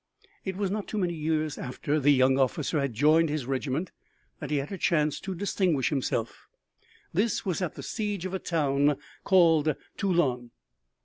It was not many years after the young officer had joined his regiment that he had a chance to distinguish himself. This was at the siege of a town called Toulon.